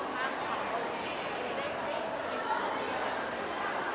จากท่านมาที่นี่